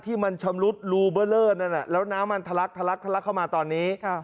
ที่มันชำรุดรูเบอร์เลอร์นั่นน่ะแล้วน้ำมันทะลักทะลักทะลักเข้ามาตอนนี้